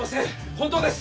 本当です！